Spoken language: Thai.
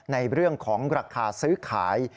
ในเรื่องของราคาซื้อขาย